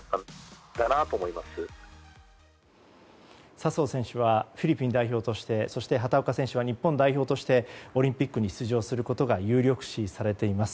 笹生選手はフィリピン代表としてそして畑岡選手は日本代表としてオリンピックに出場することが有力視されています。